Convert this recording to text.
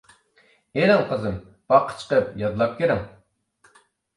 -ئېلىڭ، قىزىم، باغقا چىقىپ يادلاپ كىرىڭ.